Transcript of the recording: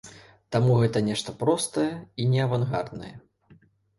Таму гэта нешта простае і неавангарднае.